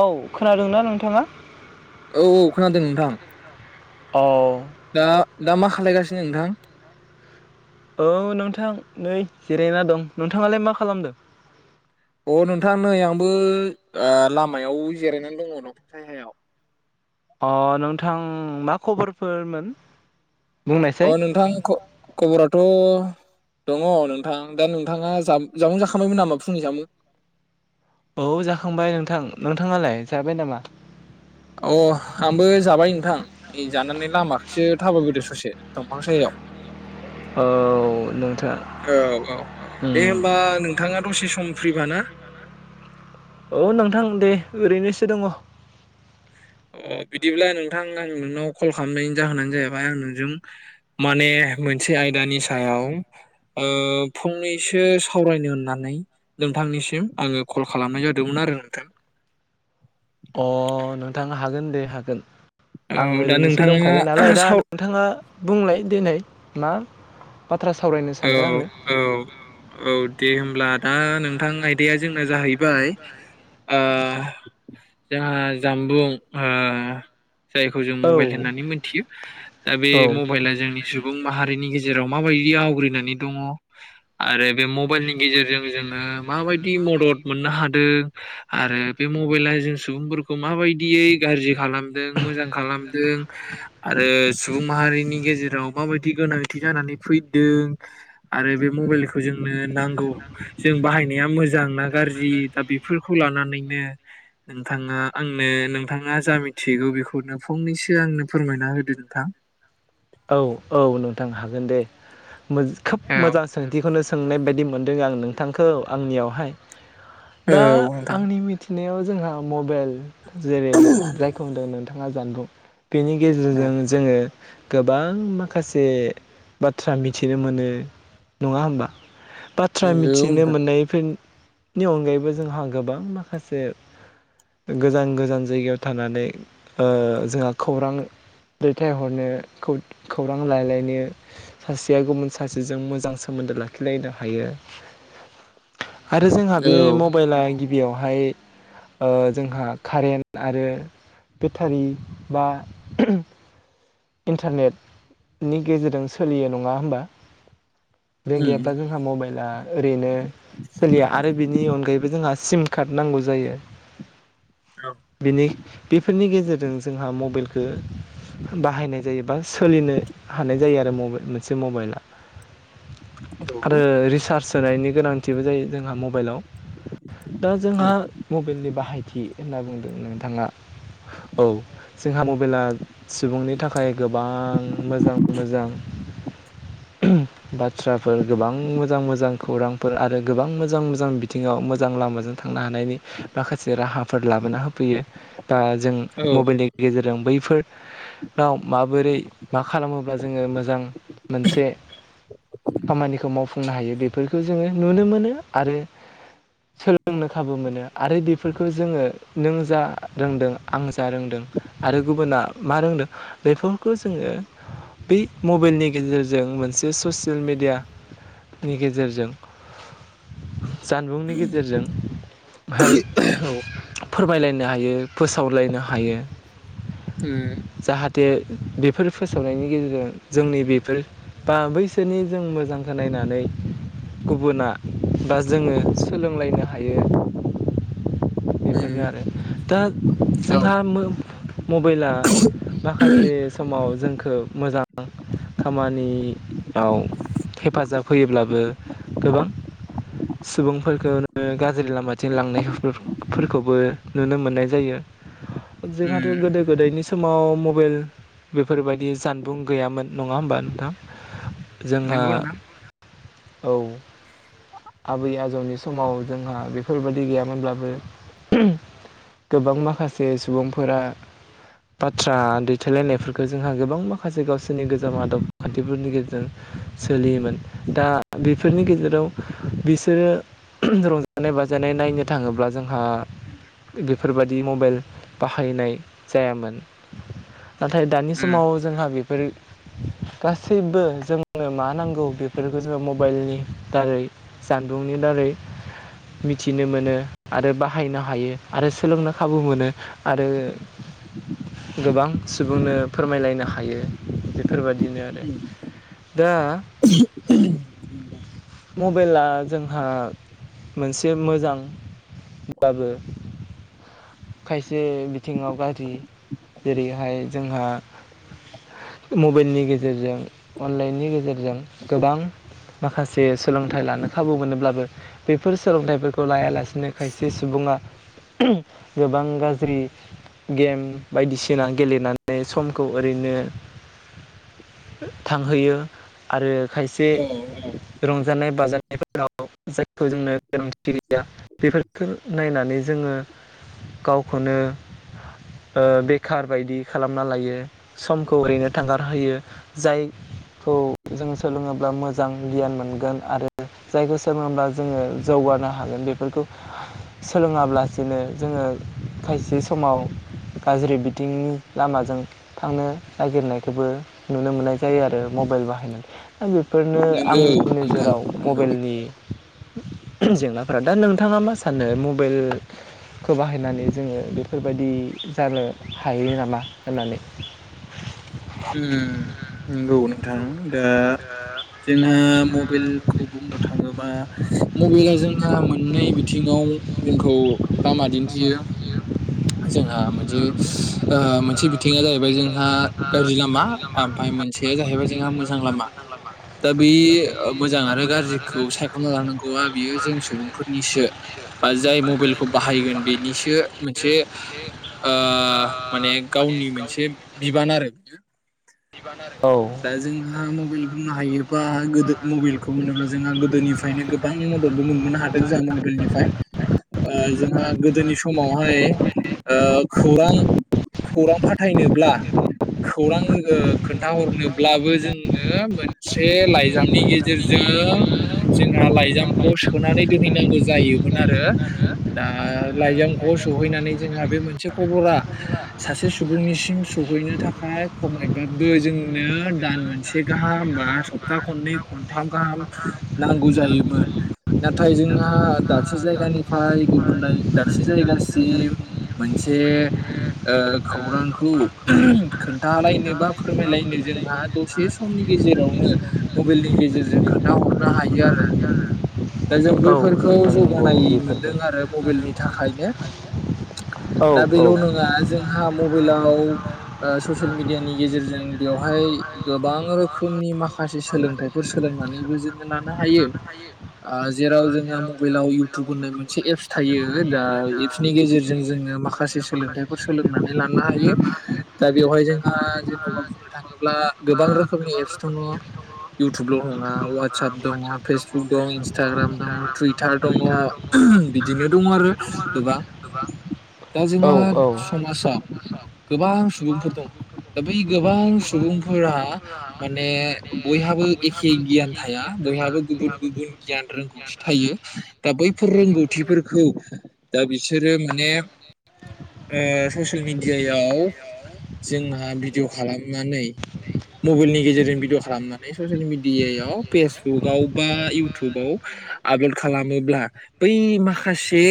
औ खोनादोंना नोंथाङा? औ औ खोनादों नोंथां। औ दा मा खालायगासिनो नोंथां? औ नोंथां नै जिरायना दं नोंथाङालाय मा खालामदों? अ नोंथां नै आंबो ओ लामायाव जिरायनानै दङ दंफां सायहायाव। अ नोंथां मा खबरफोरमोन? अ नोंथां ख खबराथ' दङ नोंथां दा नोंथाङा जामुं जाखांबायमोन नामा फुंनि जामुं? औ जाखांबाय नोंथां नोंथाङालाय जाबाय नामा? अ आंबो जाबाय नोंथां। नि जानानै लामाखैसो थाबायबोदो ससे। दंफां सायहा आव औ औ औ दे होबा नोंथाङा दसे सम प्रिबाना? औ नोंथां दे ओरैनोसो दङ। अ बिदिब्ला नोंथां आं नोंनाव कल खालामनायनि जाहोनानो जाहैबाय आं नोंजों माने मोनसे आयदानि सायाव ओ फंनैसो सावरायनो होन्नानै नोंथांनिसिम आङो कल खालामनाय जादोंमोन आरो नोंथां अ नोंथाङा हागोन दे हागोन। आं ओरैनोसो दंखायो नालाय दा नोंथाङा बुंलाय देनाय। ना औ औ औ दे होम ब्ला दा नोंथां आयदाया जोंना जाहैबाय ओ जोंहा जामबुं ओ जायखौ जों मबेल होन्नानै मिथियो दा बे मबेला जोंनि सुबुं माहारिनि गेज जेराव माबायदि आवग्रि नानै दङ आरो बे मबाइलनि गेजेरजों जोङो माबायदि मदद मोन्नो हादों आरो बे मबाइला जों सुबुंफोरखौ माबायदियै गाज्रि खालाम दों मोजां खालामदों आरो सुबुं माहारिनि गेजेराव माबायदि गोनांथि जानानै फैदों आरो बे मबाइलखौ जोंनो नांगौ जों बाहायनाया मोजां मोजां नना गाज्रि दा बेफोरखौ लानानैनो नोंथाङा आंनो नोंथाङा जा मिथिगौ बेखौनो फंनैसो आंनो फोरमायना होदो नोंथां [unintelligible] सोंनाय बायदि मोनदों आं नोंथांखौ आंनियावहाय दा आंनि मिथि नेयाव जोंहा मबेइल जेरै नों [unintelligible] बिथाङा जानबुं बेनि गेजेरजों जोङो गोबां माखासे बाथ्रा मिथिनो मोनो नङा होमबा बाथ्रा मिथिनो मोननायफोर नि अनगायैबो जोंहा गोबां माखासे गोजान गोजान जायगायाव थानानै ओ जोंहा खौरां दैथायहरनो खौरां लाायलायनो सासेया गुबुन सासेजों मोजां सोमोन्दो लाखिलायनो हायो। आरो जोंहा बे मबाइला गिबियावहाय ओ जोंहा कारेन्ट आरो बेटारि बा इन्टारनेटनि गेजेरजों सोलियो नङा होमबा बे गैयाब्ला जोंहा मबाइला ओरैनो सोलिया आरो बिनि अनगायैबो जोंहा सिम कार्ड नांगौ जायो। बेनि बेफोरनि गेजेरजों जोंहा मबाइलखौ बाहायनाय जायो बा सोलिनो हानाय जायो आरो मोनसे मबाइला आरो रिसार्च सोनायनि गोनांथि जोंहा मबाइलाव दा जोंहा मबाइलनि बाहायथि होनना बुं नोंथाङा औ जोंहा मबाइला सुबुंनि थाखाय गोबां मोजां मोजां बाथ्राफोर गोबां मोजां मोजां खौरांफोर आरो गोबां मोजां मोजां बिथिङाव मोजां लामाजों थां थांनो हानायनि माखासे राहा फोर लाबोना होफैयो दा जों मबाइलनि गेजेरजों बै फोर राव माबोरै मा खालामोब्ला जोङो मोजां मोनसे खामानिखौ मावफुं [unintelligible] हायो बेफोरखौ जोङो नुनो मोन नो आरो सोलोंनो खाबु मोनो आरो बेफोरखौ जोङो नों जा रोंदों आं जा रोंदों आरो गुबुना मा रोंदों बेफोरखौ जोङो बै मबाइलनि गेजेरजों मोनसे ससियेल मेडियानि गेजेरजों जानबुंनि गेजेरजों हाय फोरमायलाय। नो हायो। फोसावलायनो हायो जाहा। थे बेफोर फोसावनायनि गेजेरजों जोंनि बेफोर बा बैसोरनि जों मोजांखौ नायनानै गुबुना बा जोङो सोलोंलायनो हायो। बेफोरनो आरो दा जोंहा मो-मबाइला माखासे समाव जोंखौ मोजां खामानियाव हेफाजाब होयोब्लाबो गोबां सुबुंफोरखौनो गाज्रि लामाथिं लांनायखौ फोरखौबो नुनो मोननाय जायो। जोंहाथ' गोदो गोदायनि। समाव मबाइल बेफोरबायदि जानबुं गैयामोन नङा होमबा नोंथां जोंहा औ आबै आजौनि समाव जोंहा बेफोरबायदि गैयामोनब्लाबो। गोबां माखासे सुबुंफोरा बाथ्रा दैथायलायनायफोरखौ जोंहा गोबां माखासे गावसोरनि गोजाम आदब खान्थिफोरनि गेजेरजों सोलियोमोन दा बेफोरनि गेजेराव बिसोरो रंजानाय बाजानाय नायनो थाङोब्ला जों। हा बेफोरबादि मबाइल बाहायनाय जायामोन। नाथाय दानि समाव जोंहा बेफोर। गासैबो जोंनो मा नांगौ बेफोरखौ जोङो मबाइलनि दारै जानबुंनि दारै मिथिनो मोनो। आरो बाहायनो हायो आरो सोलोंनो खाबु मोनो आरो गोबां सुबुंनो फोरमायलायनो हायो। फोरबायादिनो आरो। दा मबेला जोंहा मोनसे मोजां। अब्लाबो खायसे बिथिङाव गाज्रि जेरैहाय जोंहा मबेलनि गेजेरजों अनलाइननि गेजेरजों गोबां माखासे सोलोंथाइ लानो खाबु मोनोब्लाबो बेफोर सोलोंथाइफोरखौ लायालासिनो खायसे सुबुङा। गोबां गाज्रि गेम बायदिसिना गेलेनानै समखौ ओरैनो थांहोयो आरो। खायसे रं जानाय बाजानायफोराव जायखौ जोंनो गोनांथि गैया बेफोरखौ नायनानै जोङो। गावखौनो ओ बेखार बायदि खालामना लायो समखौ ओरैनो थांगारहोयो जायखौ जों सोलोङोब्ला मोजां गियान मोनगोन आरो जायखौ सोलोङोब्ला जोङो जौगानो हागोन बेफोरखौ सोलोङाब्लासिनो। जोङो खायसे समाव गाज्रि बिथिंनि लामाजों थांनो नागिरनायखौबो नुनो मोननाय जायो आरो मबेल बाहायनानै। फोरनो आंनि नोजोराव मबेलनि। जेंनाफोरा दा नोंथाङा मा सानो मबेल। खौ बाहायनानै जोङो बेफोरबायदि जानो हायो नामा होननानै। ओम नंगौ नोंथां दा जोंहा मबेलखौ बुंनो थाङोबा मबेला जोंहा मोननै बिथिङाव। जोंखौ लामा दिन्थियो जोंहा मोनसे ओ मोनसे बिथिङा जाहैबाय जोंहा। गाज्रि लामा आमफाय मोनसेया जाहैबाय जोंहा मोजां लामा दा बे ओ मोजां आरो गा जिखौ सायख'ना लांगौ बियो जों सुबुंफोरनिसो बा जाय मबेल। खौ बाहायगोन बेनिसो मोनसे ओ माने। गावनि मोनसे बिबान आरो। [inaudible] दा जोंहा मबेल बुंनो हायोबा गोदो मबेलखौ होनोब्ला जोंहा गोदोनिफ्रायनो गोबां मददबो मोनबोनो हादों जों मबेलनिफ्राय ओ जोंहा गोदोनि समावहाय ओ खौरां खौरां फाथायनोब्ला खौरां ओ खोन्थाहरनोब्लाबो जोङो मोनसे लाइजामनि गेजेरजों जोंहा लाइजामख'आव सोनानै दोनहैनांगौ जायोमोन आरो दा लाइजामख' आव सोहैनानै जोंहा बे मोनसे खबरा सासे सुबुंनिस हिम सहैनो थाख खाय खमैबाबो जोंनो दान मोनसे गाहाम बा सप्ता खननै खनथाम गाहाम नांगौ जायोमोन। नाथाय जोंहा दाबसे जायगानिफ्राय गुबुन दाब जायगासिम मोनसे ओ खौरांखौ खोन्थालायनो बा फोरमायलायनो जोंहा दसे समनि गेजेरावनो मबेलनि गेजेरजों खोन्थाहरनो हायो आरो। दा जों बैफोरखौ जौगानाय मोनदों आरो मबेलनि थाखायनो [inaudible] दा बेल' नङा जोंहा मबेलाव [inaudible] ओ ससेल मिडियानि गेजेरजों बेवहाय गोबां रोखोमनि माखासे सोलोंथाइफोर सोलोंनानैबो जोङो लानो हायो आ जेराव जोङो मबेलाव इउथुब होननाय मोनसे एफस थायो दा एफसनि गेजेरजों जोङो माखासे सोलोंथाइफोर सोलोंनानै लानो हायो दा बेवहाय जोंहा जेनबा बुंनो थाङोब्ला गोबां रोखोमनि एप्स दङ इउटुबल नङा वाट्साप दङ फेसबुक दं इन्सटाग्राम दङ टुइटार दङ बिदिनो दङ आरो गोबां दा जोंहा समाजाव गोबां सुबुंफोर दं दा बै गोबां सुबुंफोरा माने बयहाबो एखे गियान थाया बयहाबो गुबुन गुबुन गियान रोंगौथि थायो दा बैफोर रोंगौथिफोरखौ दा बिसोरो माने ओ ससियेल मेडियायाव जोंहा भिडिअ खालामनानै मबेलनि गेजेरजों भिडिअ खालामनानै ससियेल मिडियायाव फेसबुकआव बा इउटुबाव आपलड खालामोब्ला बै माखासे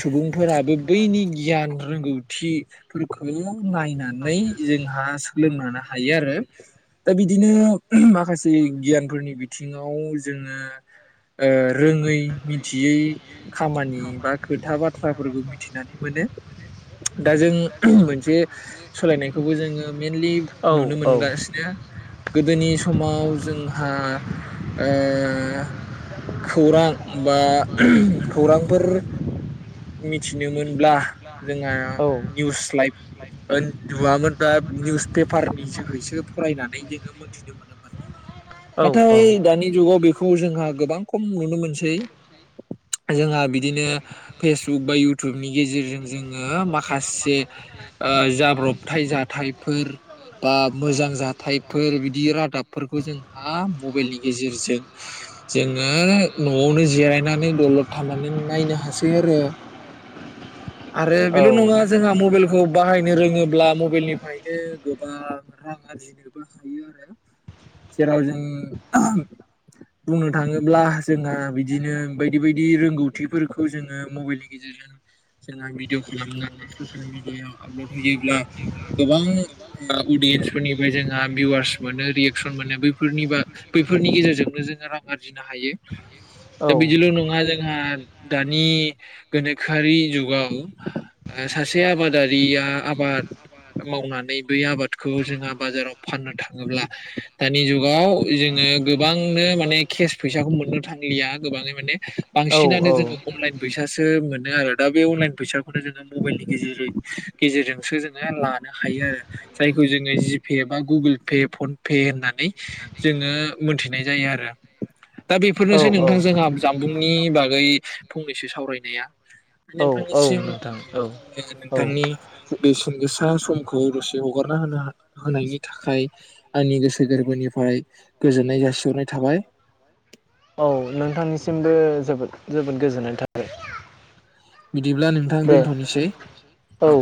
सुबुंफोराबो बैनि गियान रोंगौथिफोरखौ नायनानै जोंहा सोलोंलानो हायो आरो दा बिदिनो माखासे गियानफोरनि बिथिङाव जोङो ओ रोङै मिथियै खामानि बा खोथा बाथ्राफोरखौ मिथिनानै मोनो दा जों मोनसे सोलायनायखौबो जोङो मेनलि नुनो मोनगासिनो गोदोनि समाव जोंहा ओ खौरां बा खौरांफोर मिथिनो मोनब्ला जोंआ निउस लाइभ ओन्दुआमोनबा निउस पेपारनि जोहैसो फरायनानै जोङो मोनथिनो मोनोमोन। नाथाय दानि जुगाव बिफ खौ जोंहा गोबां खम नुनो मोनसै जोंहा बिदिनो फेसबुक बा इउटुबनि गेजेरजों जोङो माखासे ओ जाब्रबथाय जाथाइफोर बा मोजां जाथाइफोर बिदि रादाबफोरखौ जोंहा मबेलनि गेजेरजों जोङो नआवनो जिरायनानै दलद थानानैनो नायनो हसिग ओइ आरो आरो बेल' नङा जोंहा मबेलखौ बाहायनो रोङोब्ला मबेलनिफ्रायनो गोबां रां आरजिनोबो हायो आरो जेराव जों बुंनो थाङोब्ला जोंहा बिदिनो बायदि बायदि रोंगौथिफोरख खौ जोङो मबेलनि गेजेरजों जोंहा भिदिअ खालामनानै ससियेल मिडियायाव आपलड होयोब्ला गोबां अदियेन्स फोरनिफ्राय जोंहा भिवार्स मोनो रियेकसन मोनो बैफोरनि बा बैफोरनि गेजेरजोंनो जोङो रां आरजिनो हायो दा बिदिल' नङा जोंहा दानि गोनोखोआरि जुगाव ओ सासे आबादारिया आबाद मावनानै बै आबादखौ जोंहा बाजाराव फाननो थाङोब्ला दानि जुगाव जोङो गोबांनो माने केस फैसाखौ मोननो थांलिया गोबाङै माने बांसिनानो जोङो अनलाइन फैसासो मोनो आरो दा बे अनलाइन फैसाखौनो जोङो मबेलनि गेजेरजों गेजेरजोंसो जोङो लानो हायो आरो जायखौ जोङो जि पे बा गुगोल पे फन पे होननानै जोङो मोनथिनाय जायो आरो दा बेफोरनोसै नोंथां जोंहा जानबुंनि बागै फंनैसो सावरायनाया नोंथांनि सिम थांनि बेसेन गोसा समखौ दसे हगारना होनो हान होनायनि थाखाय आंनि गोसो गोरबोनिफ्राय गोजोननाय जासिहरनाय थाबाय। नोंथांनिसिमबो जोबोद जोबोद गोजोननाय थाबाय। बिदिब्ला नोंथां दोनथनोसै औ।